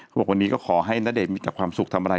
บอกวันนี้ก็ขอให้ณเดชน์มีแต่ความสุขทำอะไร